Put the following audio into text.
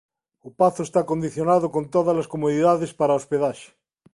O pazo está acondicionado con todas as comodidades para a hospedaxe.